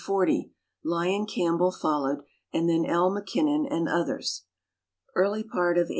Lyou Campbell followed, and then L. Mackinnon and others. Early part of 1841.